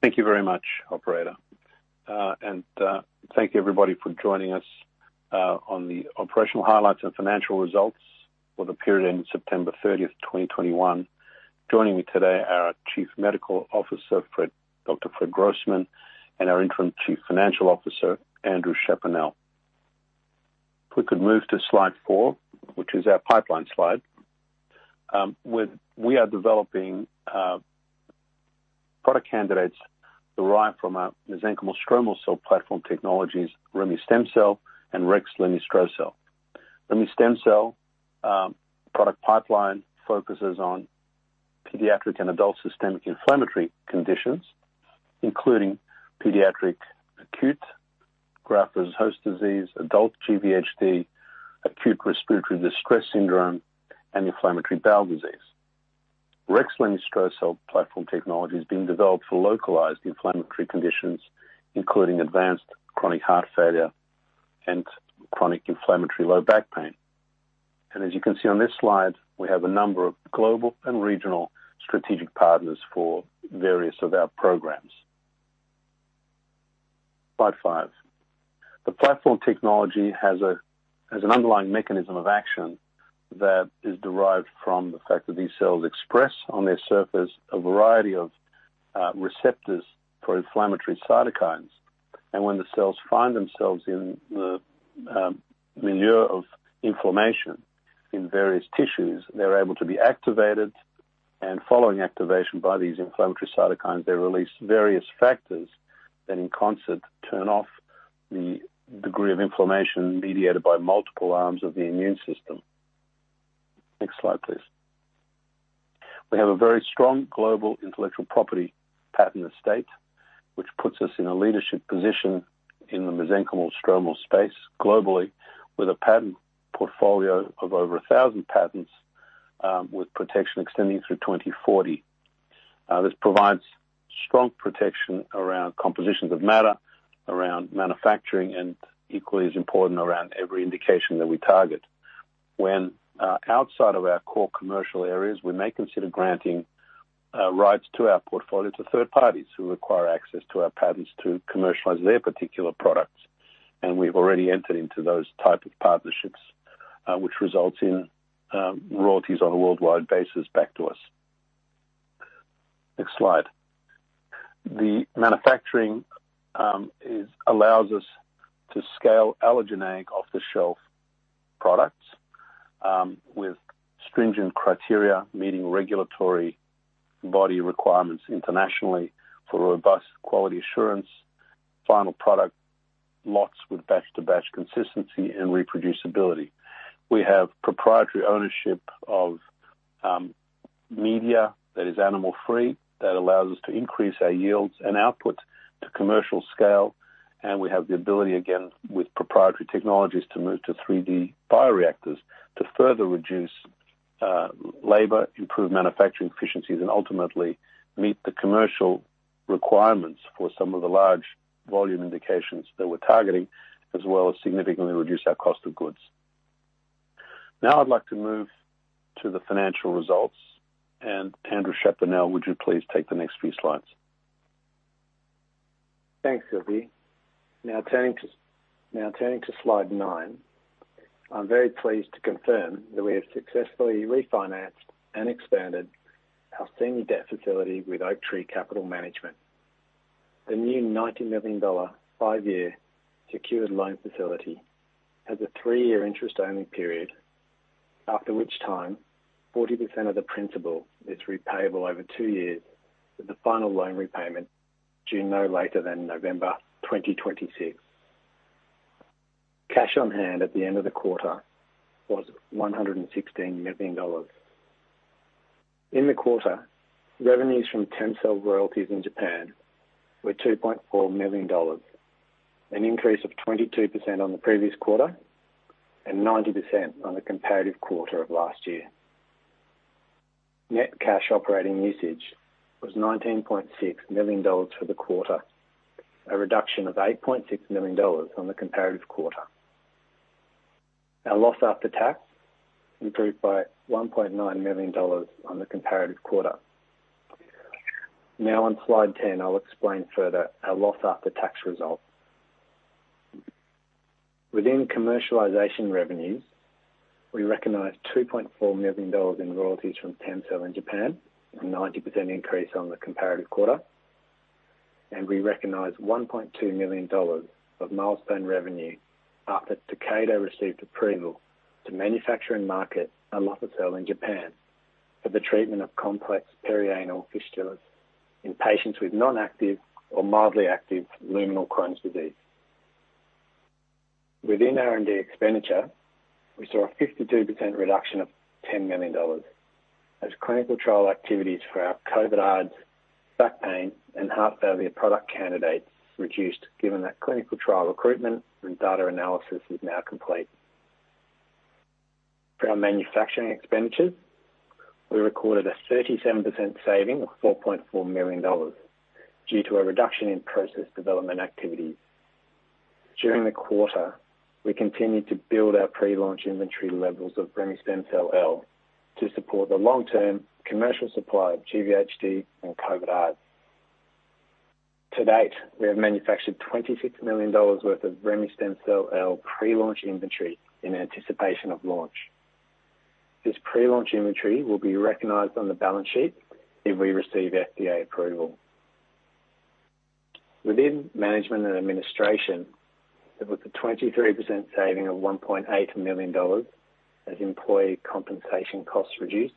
Thank you very much, operator. Thank you everybody for joining us on the operational highlights and financial results for the period ending September 30, 2021. Joining me today are our Chief Medical Officer, Dr. Fred Grossman, and our Interim Chief Financial Officer, Andrew Chaponnel. If we could move to slide four, which is our pipeline slide. We are developing product candidates derived from our mesenchymal stromal cell platform technologies, Remestemcel-L and Rexlemestrocel-L. Remestemcel-L product pipeline focuses on pediatric and adult systemic inflammatory conditions, including pediatric acute graft-versus-host disease, adult GvHD, acute respiratory distress syndrome, and inflammatory bowel disease. Rexlemestrocel-L platform technology is being developed for localized inflammatory conditions, including advanced chronic heart failure and chronic inflammatory low back pain. As you can see on this slide, we have a number of global and regional strategic partners for various of our programs. Slide five. The platform technology has an underlying mechanism of action that is derived from the fact that these cells express on their surface a variety of receptors for inflammatory cytokines. When the cells find themselves in the milieu of inflammation in various tissues, they're able to be activated, and following activation by these inflammatory cytokines, they release various factors that in concert turn off the degree of inflammation mediated by multiple arms of the immune system. Next slide, please. We have a very strong global intellectual property patent estate, which puts us in a leadership position in the mesenchymal stromal space globally, with a patent portfolio of over 1,000 patents, with protection extending through 2040. This provides strong protection around compositions of matter, around manufacturing, and equally as important around every indication that we target. When outside of our core commercial areas, we may consider granting rights to our portfolio to third parties who require access to our patents to commercialize their particular products, and we've already entered into those type of partnerships, which results in royalties on a worldwide basis back to us. Next slide. The manufacturing allows us to scale allogeneic off-the-shelf products with stringent criteria, meeting regulatory body requirements internationally for robust quality assurance, final product lots with batch-to-batch consistency and reproducibility. We have proprietary ownership of media that is animal-free, that allows us to increase our yields and output to commercial scale, and we have the ability, again, with proprietary technologies, to move to 3D bioreactors to further reduce labor, improve manufacturing efficiencies, and ultimately meet the commercial requirements for some of the large volume indications that we're targeting, as well as significantly reduce our cost of goods. Now I'd like to move to the financial results. Andrew Chaponnel, would you please take the next few slides? Thanks, Silviu Itescu. Now turning to slide nine, I'm very pleased to confirm that we have successfully refinanced and expanded our senior debt facility with Oaktree Capital Management. The new $90 million five-year secured loan facility has a three-year interest-only period, after which time 40% of the principal is repayable over two years, with the final loan repayment due no later than November 2026. Cash on hand at the end of the quarter was $116 million. In the quarter, revenues from TEMCELL royalties in Japan were $2.4 million, an increase of 22% on the previous quarter and 90% on the comparative quarter of last year. Net cash operating usage was $19.6 million for the quarter, a reduction of $8.6 million on the comparative quarter. Our loss after tax improved by $1.9 million on the comparative quarter. Now on slide 10, I'll explain further our loss after tax result. Within commercialization revenues, we recognized $2.4 million in royalties from TEMCELL in Japan, a 90% increase on the comparative quarter, and we recognized $1.2 million of milestone revenue after Takeda received approval to manufacture and market Alofisel in Japan for the treatment of complex perianal fistulas in patients with non-active or mildly active luminal Crohn's disease. Within R&D expenditure, we saw a 52% reduction of $10 million, as clinical trial activities for our COVID-ARDS, back pain, and heart failure product candidates reduced given that clinical trial recruitment and data analysis is now complete. For our manufacturing expenditures, we recorded a 37% saving of $4.4 million due to a reduction in process development activities. During the quarter, we continued to build our pre-launch inventory levels of Remestemcel-L to support the long-term commercial supply of GvHD and COVID-ARDS. To date, we have manufactured $26 million worth of Remestemcel-L pre-launch inventory in anticipation of launch. This pre-launch inventory will be recognized on the balance sheet if we receive FDA approval. Within management and administration, there was a 23% saving of $1.8 million as employee compensation costs reduced.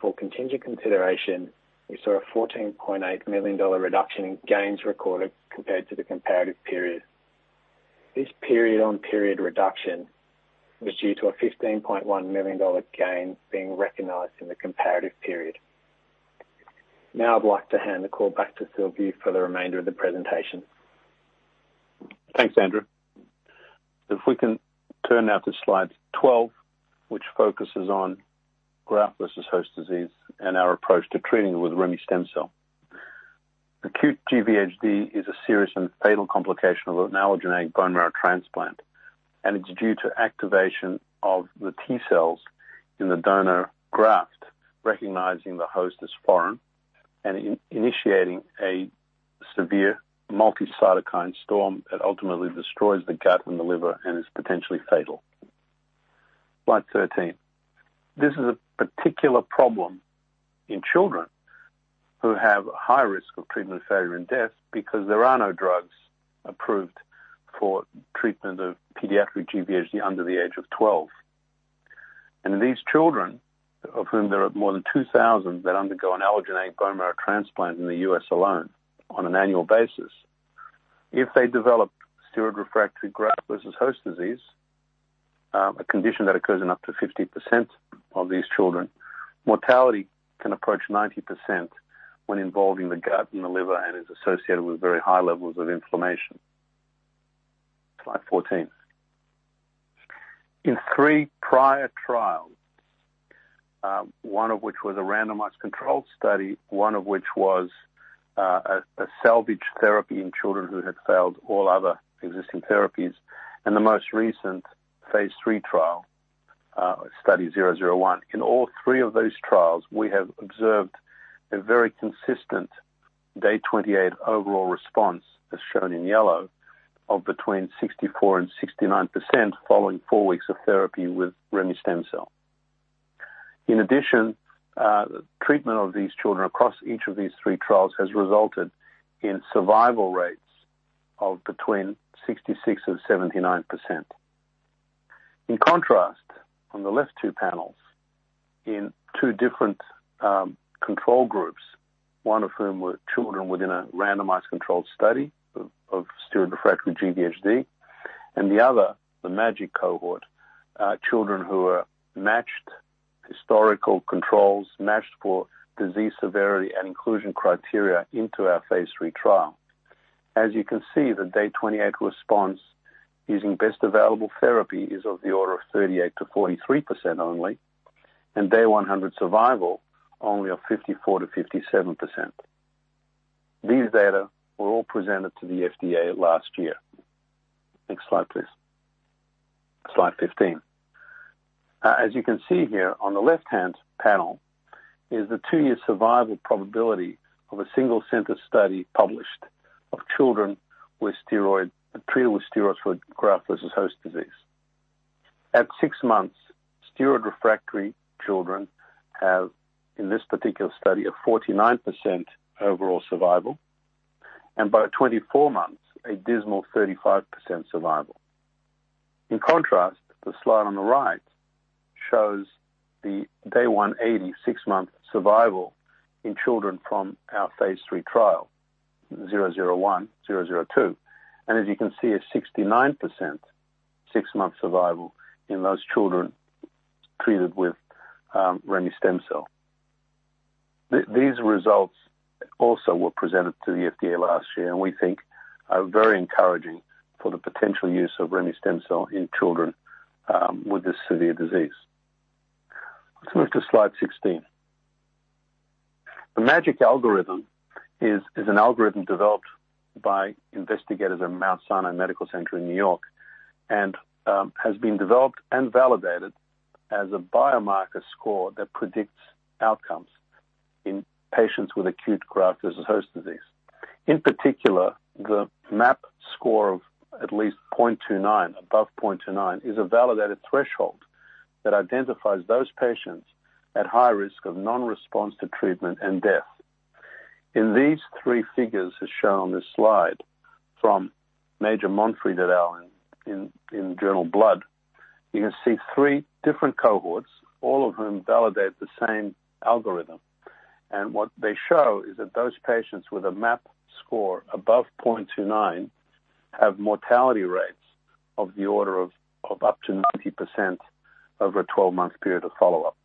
For contingent consideration, we saw a $14.8 million reduction in gains recorded compared to the comparative period. This period-on-period reduction was due to a $15.1 million gain being recognized in the comparative period. Now I'd like to hand the call back to Silviu Itescu for the remainder of the presentation. Thanks, Andrew. If we can turn now to slide 12, which focuses on graft versus host disease and our approach to treating it with Remestemcel-L. Acute GvHD is a serious and fatal complication of an allogeneic bone marrow transplant, and it's due to activation of the T cells in the donor graft, recognizing the host as foreign and initiating a severe cytokine storm that ultimately destroys the gut and the liver and is potentially fatal. Slide 13. This is a particular problem in children who have high risk of treatment failure and death because there are no drugs approved for treatment of pediatric GvHD under the age of 12. In these children, of whom there are more than 2,000 that undergo an allogeneic bone marrow transplant in the U.S. alone on an annual basis, if they develop steroid refractory graft-versus-host disease, a condition that occurs in up to 50% of these children, mortality can approach 90% when involving the gut and the liver and is associated with very high levels of inflammation. Slide 14. In three prior trials, one of which was a randomized controlled study, one of which was a salvage therapy in children who had failed all other existing therapies, and the most recent phase III trial, study 001. In all three of those trials, we have observed a very consistent day 28 overall response, as shown in yellow, of between 64%-69% following four weeks of therapy with Remestemcel-L. In addition, treatment of these children across each of these three trials has resulted in survival rates of between 66% and 79%. In contrast, on the left two panels, in two different control groups, one of whom were children within a randomized controlled study of steroid refractory GvHD and the other, the MAGIC cohort, children who are matched historical controls, matched for disease severity and inclusion criteria into our phase III trial. As you can see, the day 28 response using best available therapy is of the order of 38%-43% only, and day 100 survival only of 54%-57%. These data were all presented to the FDA last year. Next slide, please. Slide 15. As you can see here on the left-hand panel is the two-year survival probability of a single-center study published of children treated with steroids for graft-versus-host disease. At six months, steroid-refractory children have, in this particular study, a 49% overall survival, and by 24 months, a dismal 35% survival. In contrast, the slide on the right shows the day 180 six-month survival in children from our phase III trial, 001, 002. As you can see, a 69% six-month survival in those children treated with Remestemcel. These results also were presented to the FDA last year, and we think are very encouraging for the potential use of Remestemcel in children with this severe disease. Let's move to slide 16. The MAGIC algorithm is an algorithm developed by investigators at Mount Sinai Medical Center in New York and has been developed and validated as a biomarker score that predicts outcomes in patients with acute graft-versus-host disease. In particular, the MAP score of at least 0.29, above 0.29, is a validated threshold that identifies those patients at high risk of non-response to treatment and death. In these three figures as shown on this slide from Magenau et al. in Journal Blood, you can see three different cohorts, all of whom validate the same algorithm. What they show is that those patients with a MAP score above 0.29 have mortality rates of the order of up to 90% over a twelve-month period of follow-up.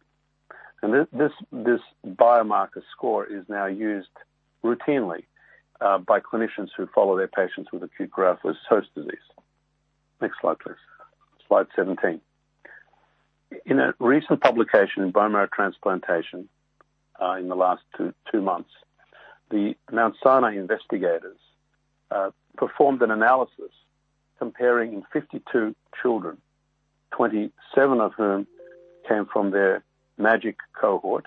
This biomarker score is now used routinely by clinicians who follow their patients with acute GvHD. Next slide, please. Slide 17. In a recent publication in Bone Marrow Transplantation in the last two months, the Mount Sinai investigators performed an analysis comparing 52 children, 27 of whom came from their MAGIC cohort,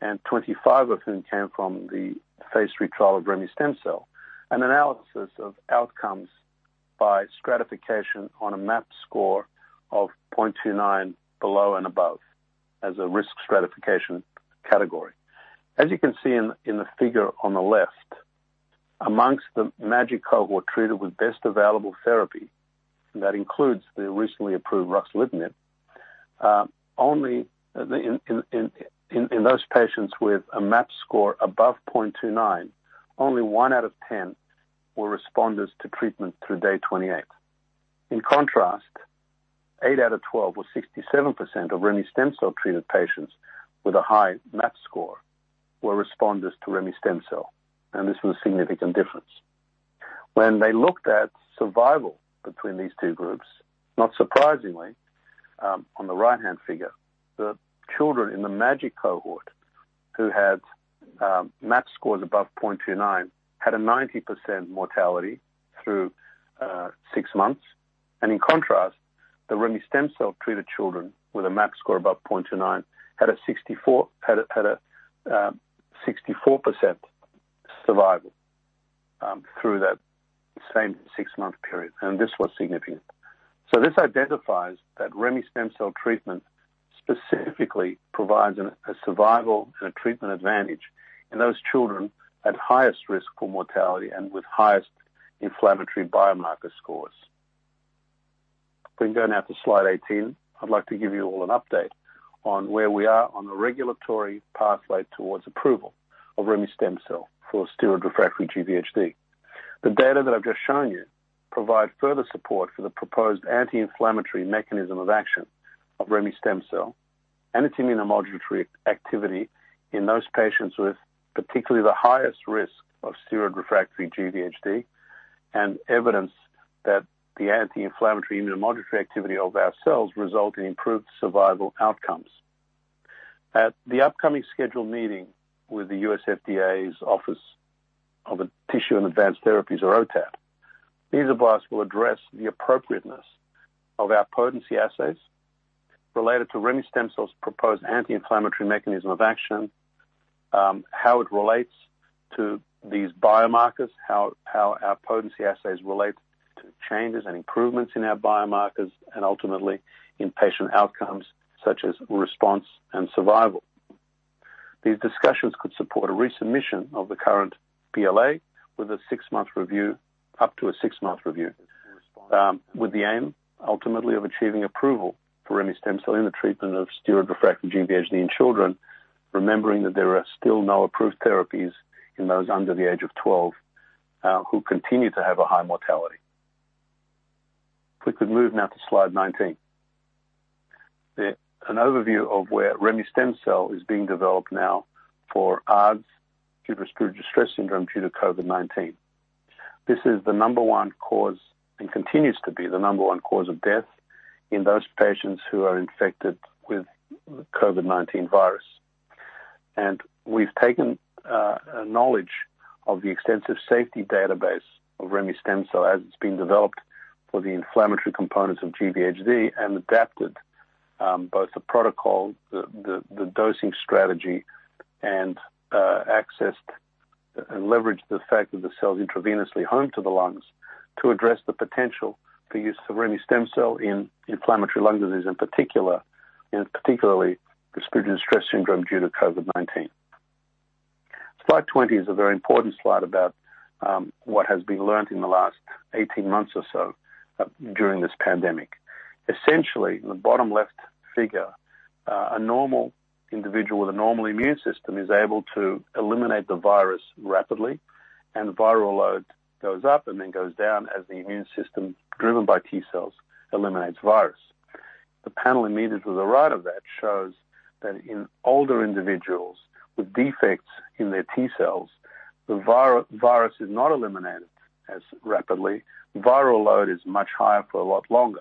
and 25 of whom came from the phase III trial of Remestemcel-L. An analysis of outcomes by stratification on a MAP score of 0.29 below and above as a risk stratification category. As you can see in the figure on the left, amongst the MAGIC cohort treated with best available therapy, and that includes the recently approved Ruxolitinib, only in those patients with a MAP score above 0.29, only one out of 10 were responders to treatment through day 28. In contrast, eight out of 12 or 67% of Remestemcel-L-treated patients with a high MAP score were responders to Remestemcel-L, and this was a significant difference. When they looked at survival between these two groups, not surprisingly, on the right-hand figure, the children in the MAGIC cohort who had MAP scores above 0.29 had a 90% mortality through six months. In contrast, the Remestemcel-L-treated children with a MAP score above 0.29 had a 64%... had a 64% survival through that same six-month period, and this was significant. This identifies that remestemcel-L treatment specifically provides a survival and a treatment advantage in those children at highest risk for mortality and with highest inflammatory biomarker scores. If we can go now to slide 18, I'd like to give you all an update on where we are on the regulatory pathway towards approval of Remestemcel-L for steroid-refractory GvHD. The data that I've just shown you provide further support for the proposed anti-inflammatory mechanism of action of Remestemcel-L and its immunomodulatory activity in those patients with particularly the highest risk of steroid-refractory GvHD, and evidence that the anti-inflammatory immunomodulatory activity of our cells result in improved survival outcomes. At the upcoming scheduled meeting with the U.S. FDA's Office of Tissue and Advanced Therapies or OTAT, this advice will address the appropriateness of our potency assays related to Remestemcel-L's proposed anti-inflammatory mechanism of action, how it relates to these biomarkers, how our potency assays relate to changes and improvements in our biomarkers, and ultimately in patient outcomes such as response and survival. These discussions could support a resubmission of the current BLA with a six-month review up to a six-month review, with the aim ultimately of achieving approval for Remestemcel-L in the treatment of steroid-refractory GvHD in children. Remembering that there are still no approved therapies in those under the age of 12, who continue to have a high mortality. If we could move now to slide 19. An overview of where Remestemcel-L is being developed now for ARDS, acute respiratory distress syndrome due to COVID-19. This is the number one cause, and continues to be the number one cause of death in those patients who are infected with the COVID-19 virus. We've taken knowledge of the extensive safety database of Remestemcel-L as it's being developed for the inflammatory components of GvHD and adapted both the protocol, the dosing strategy, and accessed and leveraged the fact that the cell's intravenously home to the lungs to address the potential for use of Remestemcel-L in inflammatory lung disease, in particular, in particularly respiratory distress syndrome due to COVID-19. Slide 20 is a very important slide about what has been learned in the last 18 months or so during this pandemic. Essentially, in the bottom left figure, a normal individual with a normal immune system is able to eliminate the virus rapidly, and the viral load goes up and then goes down as the immune system, driven by T cells, eliminates virus. The panel immediately to the right of that shows that in older individuals with defects in their T cells, the virus is not eliminated as rapidly. Viral load is much higher for a lot longer.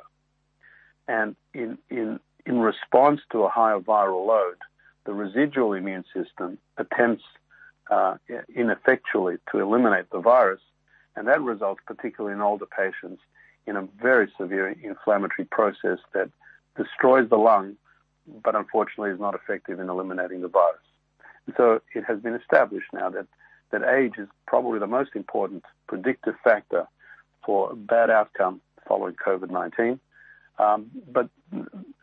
In response to a higher viral load, the residual immune system attempts ineffectually to eliminate the virus, and that results, particularly in older patients, in a very severe inflammatory process that destroys the lung, but unfortunately is not effective in eliminating the virus. It has been established now that age is probably the most important predictive factor for a bad outcome following COVID-19.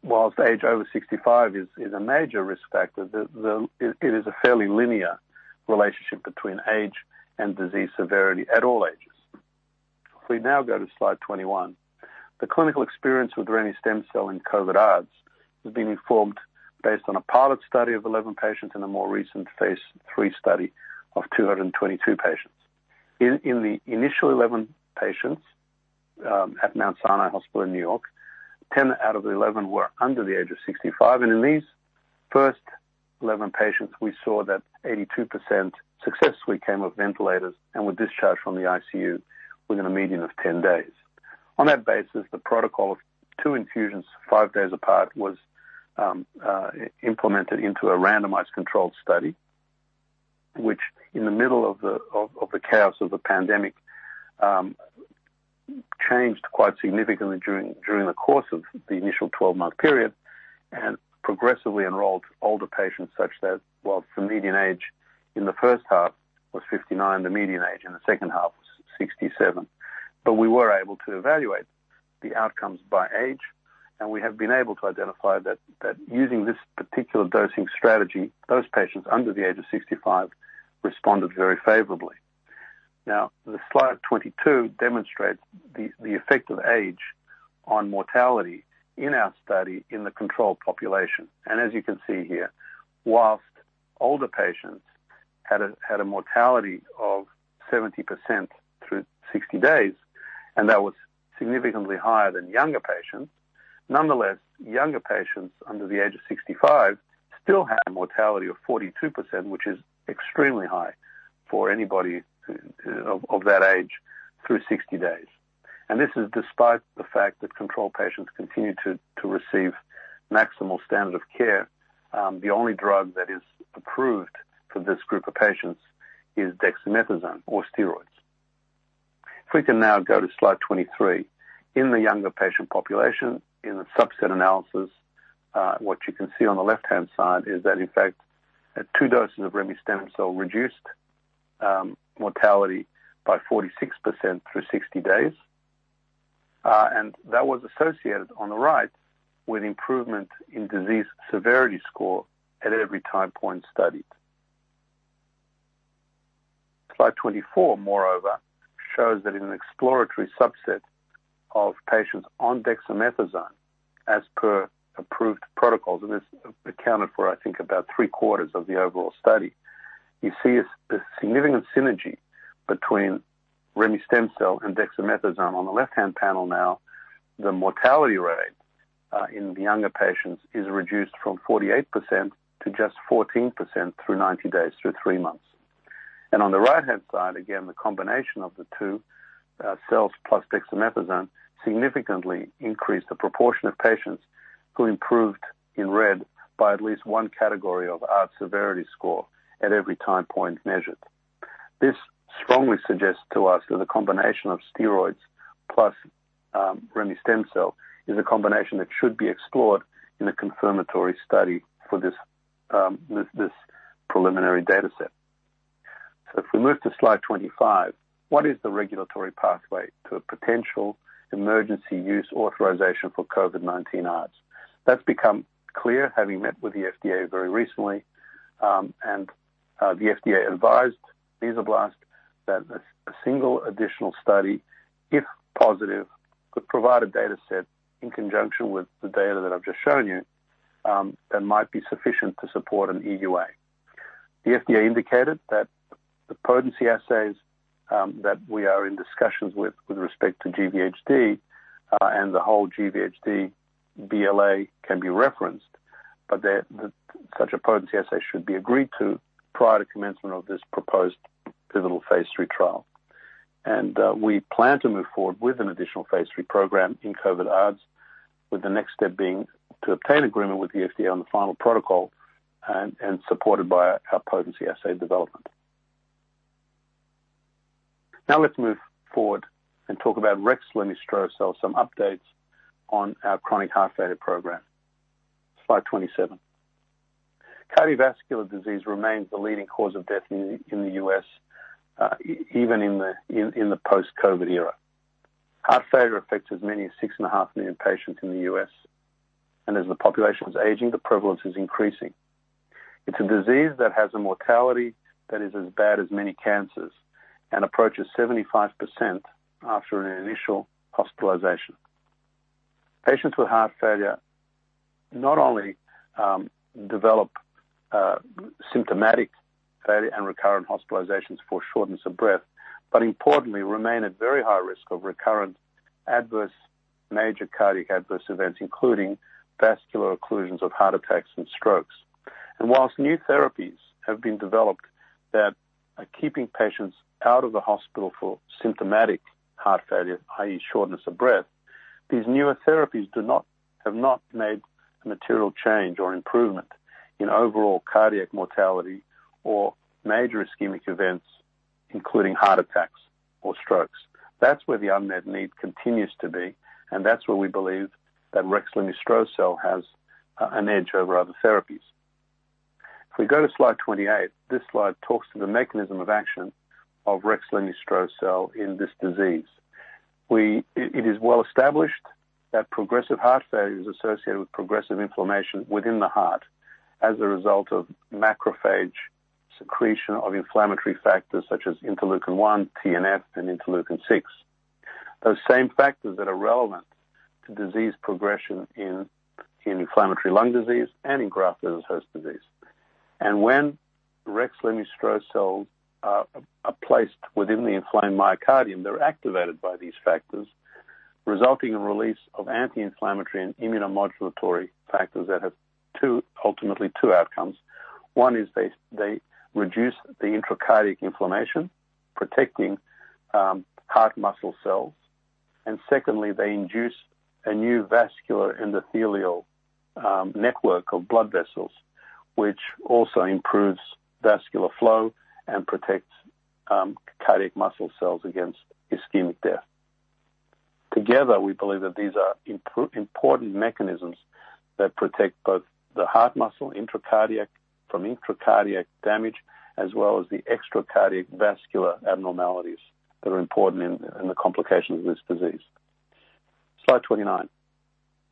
While age over 65 is a major risk factor, it is a fairly linear relationship between age and disease severity at all ages. If we now go to slide 21. The clinical experience with Remestemcel-L in COVID-ARDS has been informed based on a pilot study of 11 patients and a more recent phase III study of 222 patients. In the initial 11 patients at Mount Sinai Hospital in New York, 10 out of the 11 were under the age of 65, and in these first 11 patients, we saw that 82% successfully came off ventilators and were discharged from the ICU within a median of 10 days. On that basis, the protocol of two infusions five days apart was implemented into a randomized controlled study, which in the middle of the chaos of the pandemic changed quite significantly during the course of the initial 12-month period and progressively enrolled older patients such that while the median age in the first half was 59, the median age in the second half was 67. We were able to evaluate the outcomes by age, and we have been able to identify that using this particular dosing strategy, those patients under the age of 65 responded very favorably. The slide 22 demonstrates the effect of age on mortality in our study in the control population. As you can see here, whilst older patients had a mortality of 70% through 60 days, and that was significantly higher than younger patients. Nonetheless, younger patients under the age of 65 still had a mortality of 42%, which is extremely high for anybody of that age through 60 days. This is despite the fact that control patients continued to receive maximal standard of care. The only drug that is approved for this group of patients is dexamethasone or steroids. If we can now go to slide 23. In the younger patient population, in the subset analysis, what you can see on the left-hand side is that, in fact, two doses of Remestemcel-L reduced mortality by 46% through 60 days. That was associated on the right with improvement in disease severity score at every time point studied. Slide 24, moreover, shows that in an exploratory subset of patients on dexamethasone as per approved protocols, and this accounted for, I think, about three-quarters of the overall study. You see a significant synergy between Remestemcel-L and dexamethasone. On the left-hand panel now, the mortality rate in the younger patients is reduced from 48% to just 14% through 90 days through three months. On the right-hand side, again, the combination of the two cells plus dexamethasone significantly increased the proportion of patients who improved in red by at least one category of ARDS severity score at every time point measured. This strongly suggests to us that the combination of steroids plus Remestemcel-L is a combination that should be explored in a confirmatory study for this preliminary data set. If we move to slide 25, what is the regulatory pathway to a potential emergency use authorization for COVID-19 ARDS? That's become clear having met with the FDA very recently, and the FDA advised Mesoblast that a single additional study, if positive, could provide a data set in conjunction with the data that I've just shown you, that might be sufficient to support an EUA. The FDA indicated that the potency assays that we are in discussions with respect to GvHD and the whole GvHD BLA can be referenced, but that such a potency assay should be agreed to prior to commencement of this proposed pivotal phase III trial. We plan to move forward with an additional phase III program in COVID-ARDS, with the next step being to obtain agreement with the FDA on the final protocol and supported by our potency assay development. Now let's move forward and talk about Rexlemestrocel-L, some updates on our chronic heart failure program. Slide 27. Cardiovascular disease remains the leading cause of death in the U.S., even in the post-COVID era. Heart failure affects as many as 6.5 million patients in the U.S., and as the population is aging, the prevalence is increasing. It's a disease that has a mortality that is as bad as many cancers and approaches 75% after an initial hospitalization. Patients with heart failure not only develop symptomatic failure and recurrent hospitalizations for shortness of breath, but importantly remain at very high risk of recurrent adverse major cardiac adverse events, including vascular occlusions of heart attacks and strokes. While new therapies have been developed that are keeping patients out of the hospital for symptomatic heart failure, i.e., shortness of breath, these newer therapies have not made a material change or improvement in overall cardiac mortality or major ischemic events, including heart attacks or strokes. That's where the unmet need continues to be, and that's where we believe that Rexlemestrocel-L has an edge over other therapies. If we go to slide 28, this slide talks to the mechanism of action of Rexlemestrocel-L in this disease. It is well established that progressive heart failure is associated with progressive inflammation within the heart as a result of macrophage secretion of inflammatory factors such as interleukin-1, TNF, and interleukin-6. Those same factors that are relevant to disease progression in inflammatory lung disease and in graft-versus-host disease. When Rexlemestrocel-L are placed within the inflamed myocardium, they're activated by these factors, resulting in release of anti-inflammatory and immunomodulatory factors that have ultimately two outcomes. One is they reduce the intracardiac inflammation, protecting heart muscle cells. Secondly, they induce a new vascular endothelial network of blood vessels, which also improves vascular flow and protects cardiac muscle cells against ischemic death. Together, we believe that these are important mechanisms that protect both the heart muscle from intracardiac damage as well as the extracardiac vascular abnormalities that are important in the complications of this disease. Slide 29.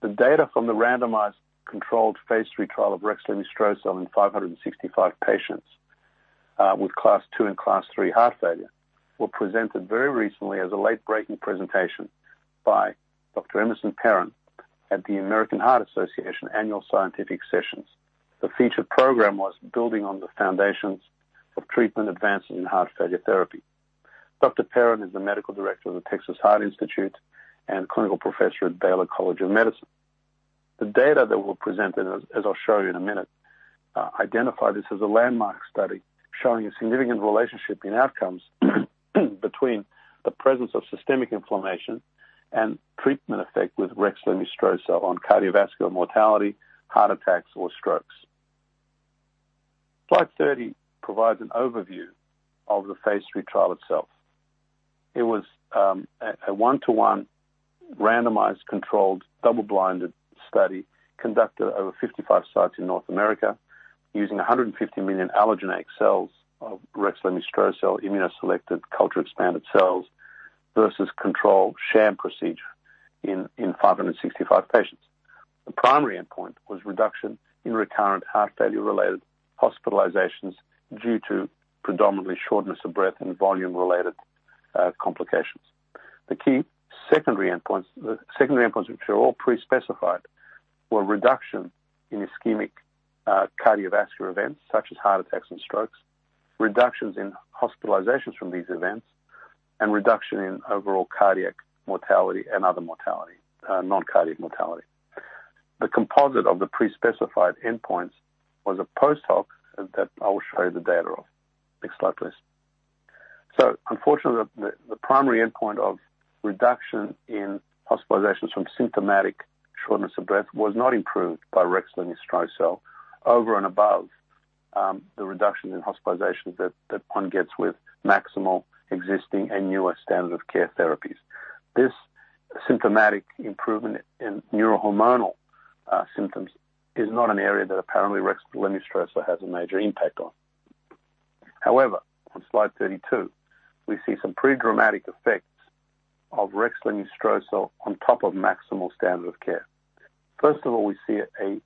The data from the randomized controlled phase III trial of Rexlemestrocel-L in 565 patients with class two and class three heart failure were presented very recently as a late-breaking presentation by Dr. Emerson Perin at the American Heart Association annual scientific sessions. The featured program was building on the foundations of treatment advances in heart failure therapy. Dr. Perin is the medical director of the Texas Heart Institute and clinical professor at Baylor College of Medicine. The data that we're presenting, as I'll show you in a minute, identify this as a landmark study showing a significant relationship in outcomes between the presence of systemic inflammation and treatment effect with Rexlemestrocel-L on cardiovascular mortality, heart attacks, or strokes. Slide 30 provides an overview of the phase III trial itself. It was a 1:1 randomized controlled double-blinded study conducted over 55 sites in North America using 150 million allogeneic cells of Rexlemestrocel-L immunoselected culture expanded cells versus controlled sham procedure in 565 patients. The primary endpoint was reduction in recurrent heart failure-related hospitalizations due to predominantly shortness of breath and volume-related complications. The key secondary endpoints, which were all pre-specified, were reduction in ischemic cardiovascular events such as heart attacks and strokes, reductions in hospitalizations from these events, and reduction in overall cardiac mortality and other non-cardiac mortality. The composite of the pre-specified endpoints was a post hoc that I will show you the data of. Next slide, please. Unfortunately, the primary endpoint of reduction in hospitalizations from symptomatic shortness of breath was not improved by Rexlemestrocel-L over and above the reductions in hospitalizations that one gets with maximal existing and newer standard of care therapies. This symptomatic improvement in neurohormonal symptoms is not an area that apparently Rexlemestrocel-L has a major impact on. However, on slide 32, we see some pretty dramatic effects of Rexlemestrocel-L on top of maximal standard of care. First of all, we see a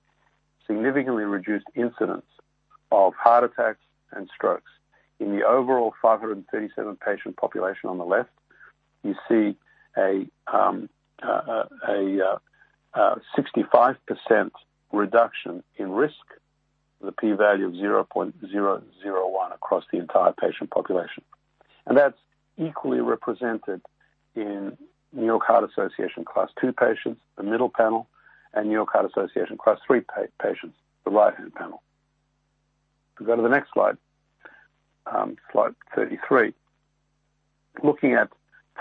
significantly reduced incidence of heart attacks and strokes. In the overall 537 patient population on the left, you see a 65% reduction in risk with a p-value of 0.001 across the entire patient population. That's equally represented in New York Heart Association class two patients, the middle panel, and New York Heart Association class three patients, the right-hand panel. If we go to the next slide 33. Looking at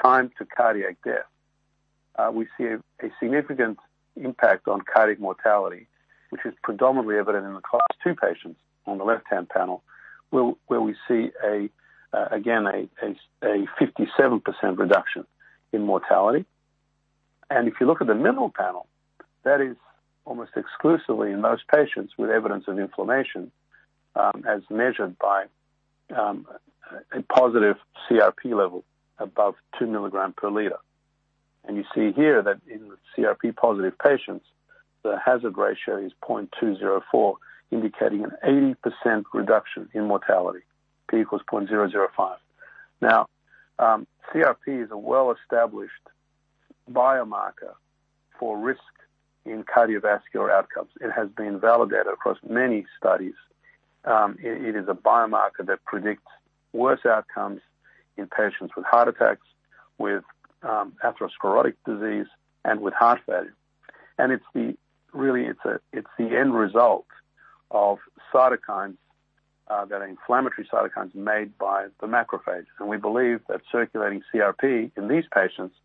time to cardiac death, we see a significant impact on cardiac mortality, which is predominantly evident in the class two patients on the left-hand panel, where we see again a 57% reduction in mortality. If you look at the middle panel, that is almost exclusively in those patients with evidence of inflammation, as measured by a positive CRP level above 2 mg/L. You see here that in the CRP positive patients, the hazard ratio is 0.204, indicating an 80% reduction in mortality, p = 0.005. CRP is a well-established biomarker for risk in cardiovascular outcomes. It has been validated across many studies. It is a biomarker that predicts worse outcomes in patients with heart attacks, with atherosclerotic disease, and with heart failure. It's really the end result of cytokines that are inflammatory cytokines made by the macrophages. We believe that circulating CRP in these patients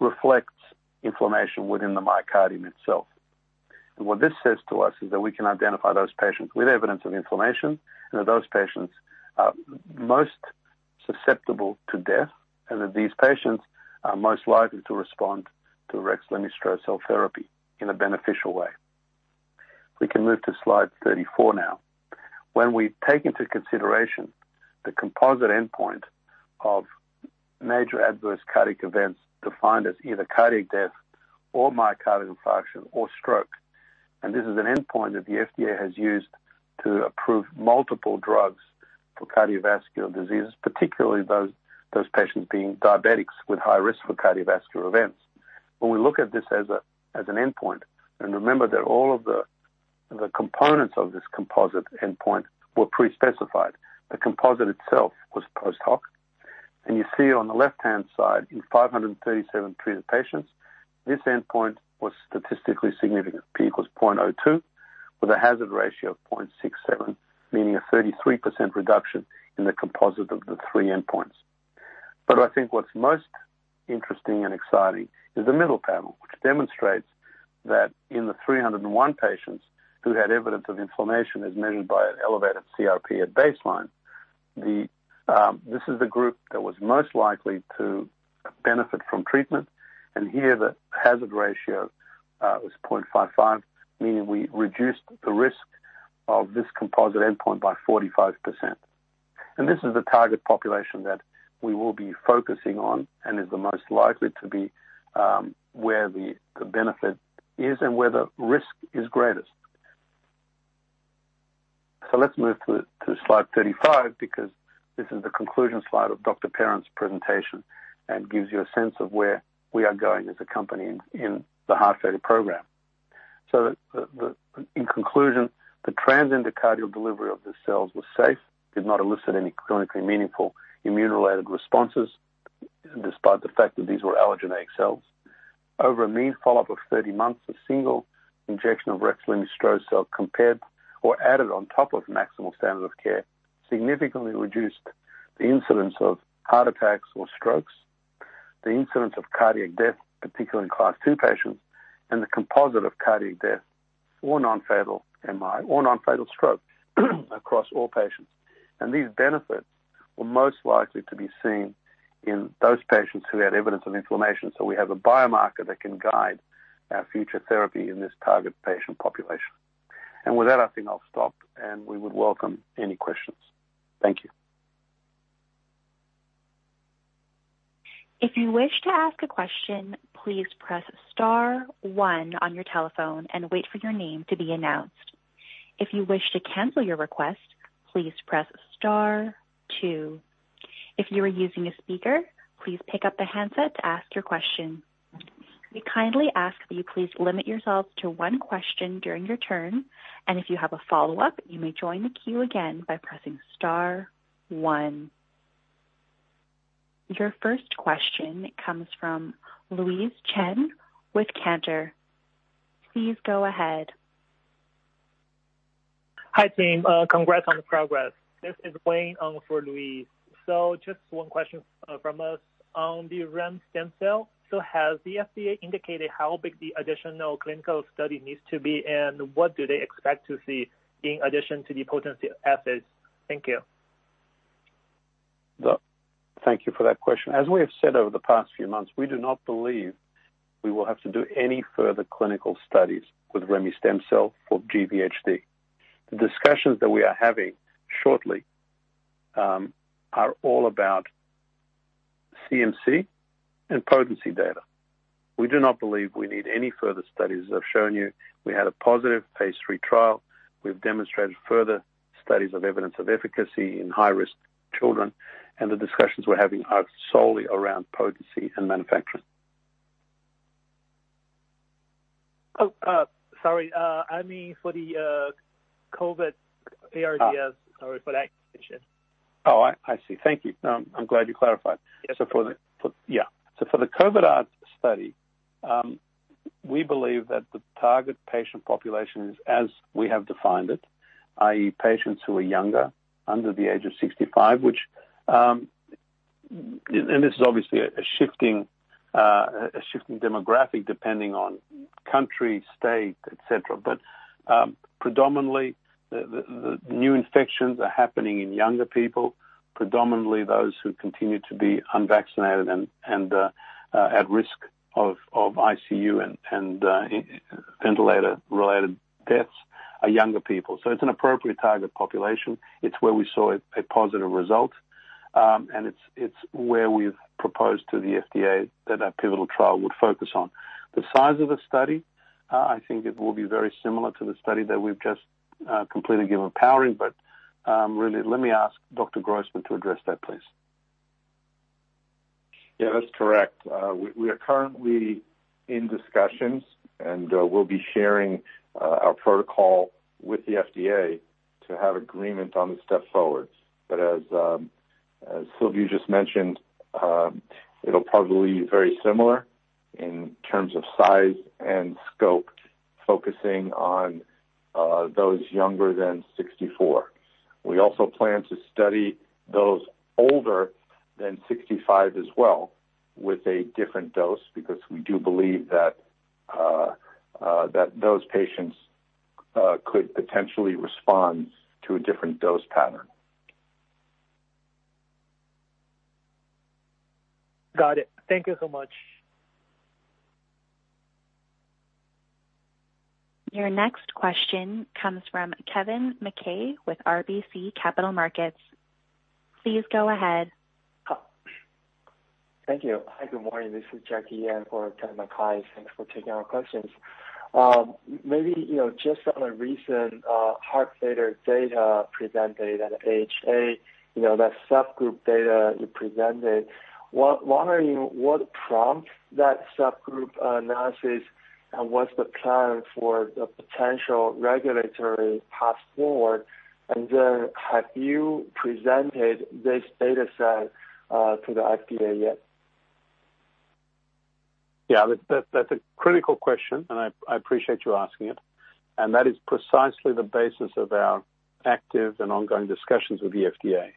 reflects inflammation within the myocardium itself. What this says to us is that we can identify those patients with evidence of inflammation, and that those patients are most susceptible to death, and that these patients are most likely to respond to Rexlemestrocel-L therapy in a beneficial way. If we can move to slide 34 now. When we take into consideration the composite endpoint of major adverse cardiac events defined as either cardiac death or myocardial infarction or stroke, and this is an endpoint that the FDA has used to approve multiple drugs for cardiovascular diseases, particularly those patients being diabetics with high risk for cardiovascular events. When we look at this as an endpoint, and remember that all of the components of this composite endpoint were pre-specified. The composite itself was post hoc. You see on the left-hand side, in 537 treated patients, this endpoint was statistically significant, P = 0.02 with a hazard ratio of 0.67, meaning a 33% reduction in the composite of the three endpoints. I think what's most interesting and exciting is the middle panel, which demonstrates that in the 301 patients who had evidence of inflammation as measured by an elevated CRP at baseline. This is the group that was most likely to benefit from treatment. Here the hazard ratio was 0.55, meaning we reduced the risk of this composite endpoint by 45%. This is the target population that we will be focusing on and is the most likely to be where the benefit is and where the risk is greatest. Let's move to slide 35, because this is the conclusion slide of Dr. Parent's presentation and gives you a sense of where we are going as a company in the heart failure program. In conclusion, the transendocardial delivery of the cells was safe, did not elicit any clinically meaningful immune-related responses despite the fact that these were allogeneic cells. Over a mean follow-up of 30 months, a single injection of Rexlemestrocel-L compared or added on top of maximal standard of care, significantly reduced the incidence of heart attacks or strokes, the incidence of cardiac death, particularly in Class II patients, and the composite of cardiac death or non-fatal MI or non-fatal stroke across all patients. These benefits were most likely to be seen in those patients who had evidence of inflammation. We have a biomarker that can guide our future therapy in this target patient population. With that, I think I'll stop, and we would welcome any questions. Thank you. If you wish to ask a question, please press star one on your telephone and wait for your name to be announced. If you wish to cancel your request, please press star two. If you are using a speaker, please pick up the handset to ask your question. We kindly ask that you please limit yourself to one question during your turn, and if you have a follow-up, you may join the queue again by pressing star one. Your first question comes from Louise Chen with Cantor, please go ahead. Hi, team. Congrats on the progress. This is Wayne Ang for Louise. Just one question from us. On the Remestemcel-L, has the FDA indicated how big the additional clinical study needs to be, and what do they expect to see in addition to the potency assays? Thank you. Thank you for that question. As we have said over the past few months, we do not believe we will have to do any further clinical studies with Remestemcel-L for GVHD. The discussions that we are having shortly are all about CMC and potency data. We do not believe we need any further studies. As I've shown you, we had a positive phase III trial. We've demonstrated further studies of evidence of efficacy in high-risk children, and the discussions we're having are solely around potency and manufacturing. Oh, sorry, I mean for the COVID-ARDS. Ah. Sorry for that confusion. Oh, I see. Thank you. No, I'm glad you clarified. Yes. For the COVID-ARDS study, we believe that the target patient population is, as we have defined it, i.e., patients who are younger, under the age of 65, which, and this is obviously a shifting demographic depending on country, state, et cetera. Predominantly the new infections are happening in younger people, predominantly those who continue to be unvaccinated and at risk of ICU and ventilator-related deaths are younger people. It's an appropriate target population. It's where we saw a positive result. It's where we've proposed to the FDA that our pivotal trial would focus on. The size of the study, I think it will be very similar to the study that we've just completed powering. Really let me ask Dr. Grossman to address that, please. Yeah, that's correct. We are currently in discussions and we'll be sharing our protocol with the FDA to have agreement on the step forward. As Silviu just mentioned, it'll probably be very similar in terms of size and scope, focusing on those younger than 64. We also plan to study those older than 65 as well with a different dose because we do believe that those patients could potentially respond to a different dose pattern. Got it. Thank you so much. Your next question comes from Kennen MacKay with RBC Capital Markets, please go ahead. Thank you. Hi, good morning. This is Jackie Yan. Thanks for taking our questions. Maybe, you know, just on a recent heart failure data presented at AHA, you know, that subgroup data you presented. Wondering what prompts that subgroup analysis and what's the plan for the potential regulatory path forward? And then have you presented this data set to the FDA yet? Yeah, that's a critical question, and I appreciate you asking it. That is precisely the basis of our active and ongoing discussions with the FDA.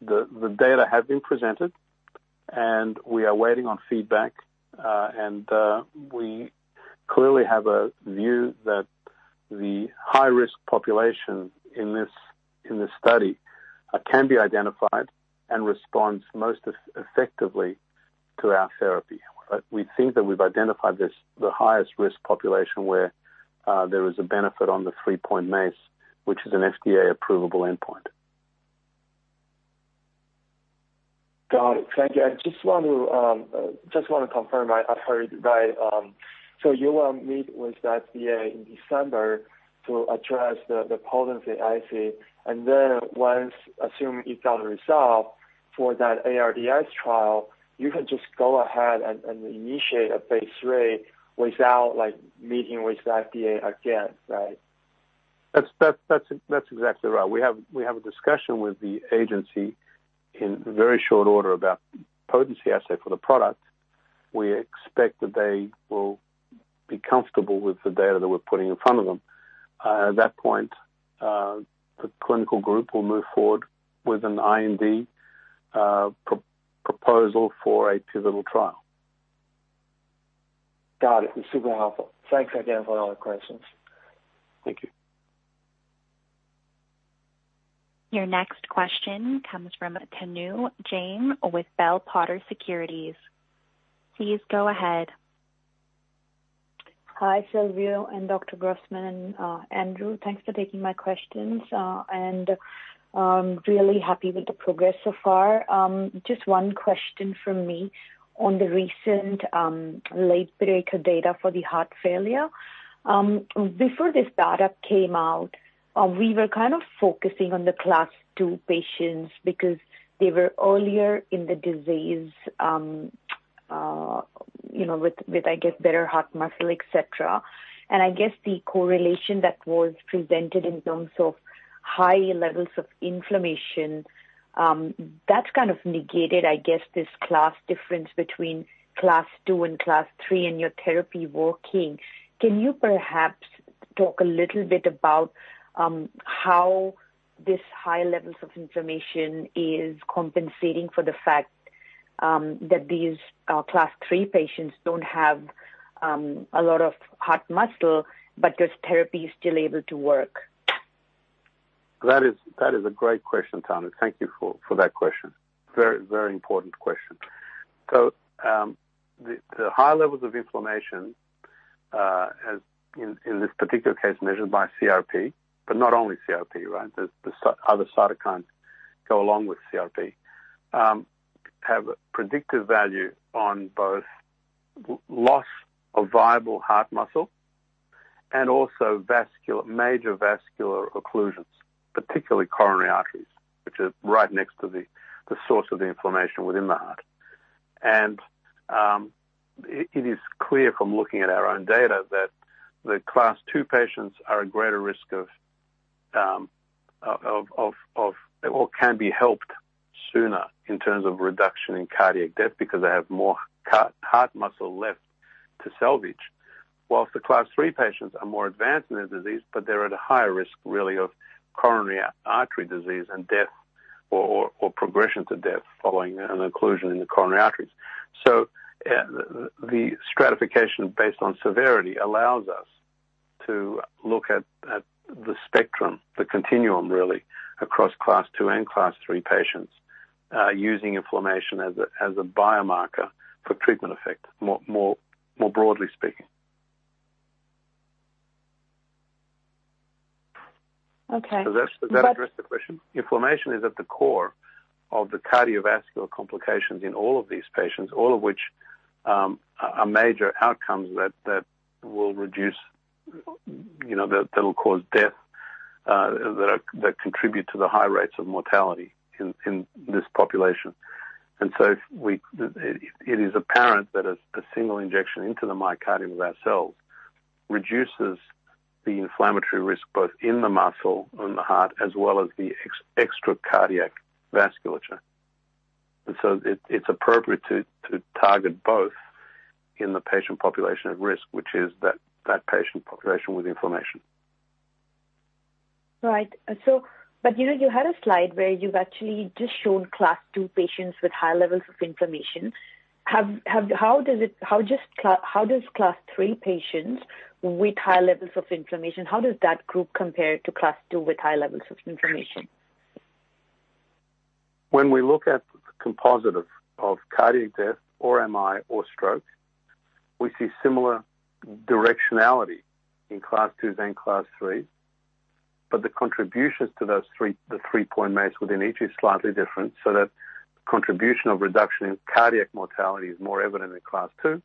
The data have been presented, and we are waiting on feedback. We clearly have a view that the high-risk population in this study can be identified and responds most effectively to our therapy. We think that we've identified the highest risk population where there is a benefit on the three-point MACE, which is an FDA approvable endpoint. Got it. Thank you. I just wanna confirm. I heard right. You will meet with the FDA in December to address the potency assay. Once assume it's been resolved for that ARDS trial, you can just go ahead and initiate a phase III without like meeting with the FDA again, right? That's exactly right. We have a discussion with the agency in very short order about potency assay for the product. We expect that they will be comfortable with the data that we're putting in front of them. At that point, the clinical group will move forward with an IND proposal for a pivotal trial. Got it. It's super helpful. Thanks again for all the questions. Thank you. Your next question comes from Tanushree Jain with Bell Potter Securities, please go ahead. Hi, Silviu and Dr. Grossman. Andrew, thanks for taking my questions. Really happy with the progress so far. Just one question from me on the recent late-breaker data for the heart failure. Before this data came out, we were kind of focusing on the Class II patients because they were earlier in the disease, you know, with, I guess, better heart muscle, et cetera. I guess the correlation that was presented in terms of high levels of inflammation, that's kind of negated, I guess, this class difference between Class II and Class III in your therapy working. Can you perhaps talk a little bit about how this high levels of inflammation is compensating for the fact that these Class three patients don't have a lot of heart muscle, but this therapy is still able to work? That is a great question, Tanushree. Thank you for that question. Very important question. The high levels of inflammation, as in this particular case, measured by CRP, but not only CRP, right? The other cytokines go along with CRP have a predictive value on both loss of viable heart muscle and also vascular major vascular occlusions, particularly coronary arteries, which are right next to the source of the inflammation within the heart. It is clear from looking at our own data that the Class two patients are at greater risk of or can be helped sooner in terms of reduction in cardiac death because they have more heart muscle left to salvage. While the Class three patients are more advanced in their disease, but they're at a higher risk really of coronary artery disease and death or progression to death following an occlusion in the coronary arteries. The stratification based on severity allows us to look at the spectrum, the continuum really across Class two and Class three patients, using inflammation as a biomarker for treatment effect more broadly speaking. Okay. Does that address the question? Inflammation is at the core of the cardiovascular complications in all of these patients, all of which are major outcomes that will reduce, you know, that'll cause death, that contribute to the high rates of mortality in this population. It is apparent that a single injection into the myocardium of our cells reduces the inflammatory risk both in the muscle, in the heart, as well as the extra cardiac vasculature. It's appropriate to target both in the patient population at risk, which is that patient population with inflammation. You know, you had a slide where you've actually just shown Class two patients with high levels of inflammation. How does Class three patients with high levels of inflammation, how does that group compare to Class two with high levels of inflammation? When we look at the composite of cardiac death or MI or stroke, we see similar directionality in Class II and Class III. The contributions to those three, the three-point MACE within each is slightly different. That contribution of reduction in cardiac mortality is more evident in Class II.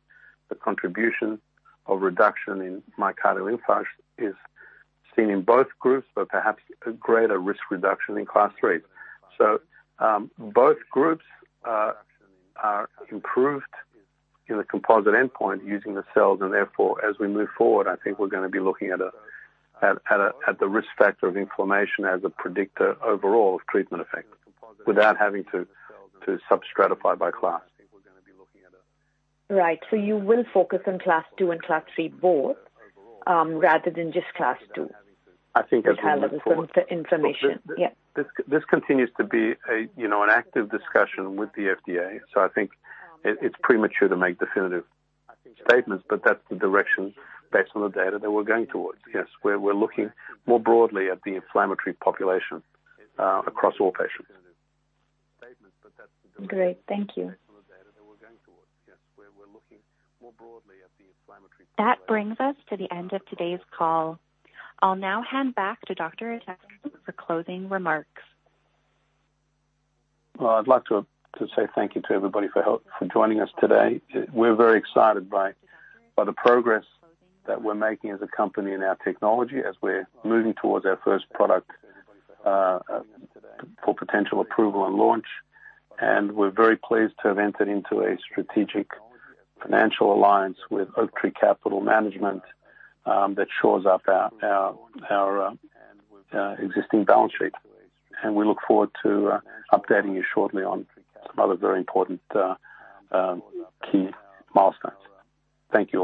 The contribution of reduction in myocardial infarction is seen in both groups, but perhaps a greater risk reduction in Class III. Both groups are improved in the composite endpoint using the cells. Therefore, as we move forward, I think we're gonna be looking at the risk factor of inflammation as a predictor overall of treatment effect without having to sub-stratify by class. Right. You will focus on class two and class three both, rather than just class two? I think as we move forward. Because of the inflammation. Yeah. This continues to be, you know, an active discussion with the FDA, so I think it's premature to make definitive statements, but that's the direction based on the data that we're going towards. Yes, we're looking more broadly at the inflammatory population across all patients. Great. Thank you. That brings us to the end of today's call. I'll now hand back to Dr. Itescu for closing remarks. Well, I'd like to say thank you to everybody for joining us today. We're very excited by the progress that we're making as a company in our technology, as we're moving towards our first product for potential approval and launch. We're very pleased to have entered into a strategic financial alliance with Oaktree Capital Management that shores up our existing balance sheet. We look forward to updating you shortly on some other very important key milestones. Thank you.